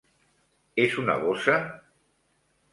És una bossa?